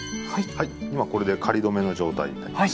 はい今これで仮留めの状態になります。